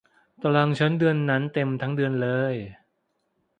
ตารางงานฉันเดือนนั้นเต็มทั้งเดือนเลย